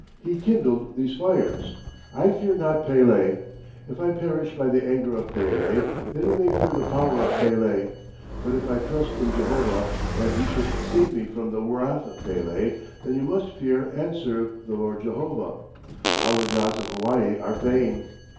He kindled these fires.... I fear not Pele. If I perish by the anger of Pele, then you may fear the power of Pele; but if I trust in Jehovah, and he should save me from the wrath of Pele, then you must fear and serve the Lord Jehovah. All the gods of Hawaii are vain!"